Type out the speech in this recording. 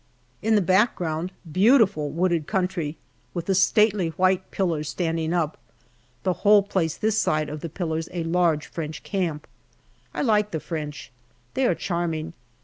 In the background beautiful wooded country, with the stately white pillars standing up, the whole place this side of the pillars a large French camp. I like the French. They are charming.